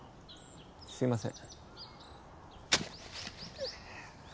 すいません。